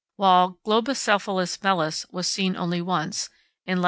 while Globicephalus melas was seen only once, in lat.